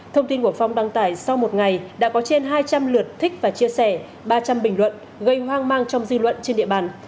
thông tin của phong đăng tải sau một ngày đã có trên hai trăm linh lượt thích và chia sẻ ba trăm linh bình luận gây hoang mang trong dư luận trên địa bàn